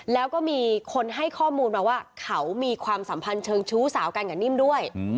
แล้วก็มีคนให้ข้อมูลมาว่าเขามีความสัมพันธ์เชิงชู้สาวกันกับนิ่มด้วย